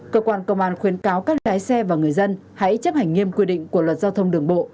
cơ quan công an khuyến cáo các lái xe và người dân hãy chấp hành nghiêm quy định của luật giao thông đường bộ